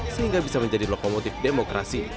sehingga bisa menjadi lokomotif demokrasi